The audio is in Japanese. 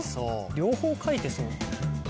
両方書いてそう。